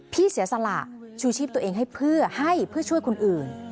เสียสละชูชีพตัวเองให้เพื่อให้เพื่อช่วยคนอื่น